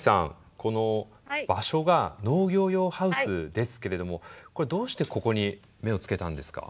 この場所が農業用ハウスですけれどもこれはどうしてここに目をつけたんですか？